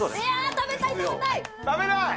食べたい！